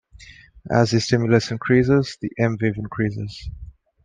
As the stimulus increases the M-wave increases.